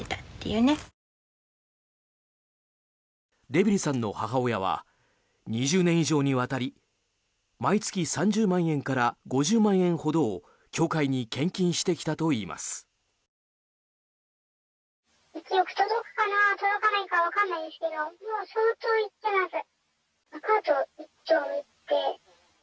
デビルさんの母親は２０年以上にわたり毎月３０万円から５０万円ほどを教会に献金してきたといいます。